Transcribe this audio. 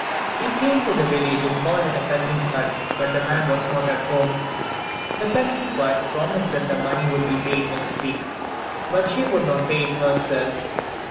He came to the village and called at a peasant's hut, but the man was not at home. The peasant's wife promised that the money should be paid next week, but she would not pay it herself.